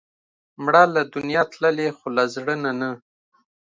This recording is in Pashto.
مړه له دنیا تللې، خو له زړه نه نه